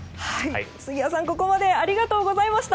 杉谷さん、ここまでありがとうございました。